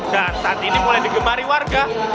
dan saat ini mulai digemari warga